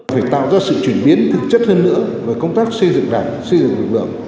phải tạo ra sự chuyển biến thực chất hơn nữa về công tác xây dựng đảng xây dựng lực lượng